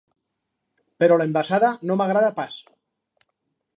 Però l’envasada no m’agrada pas.